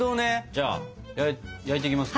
じゃあ焼いていきますか。